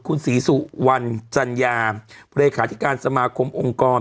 คุณศรีสุวรรณจัญญาเลขาธิการสมาคมองค์กร